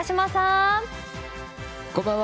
こんばんは。